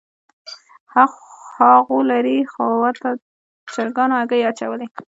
هاغو لرې خوا ته چرګانو هګۍ واچولې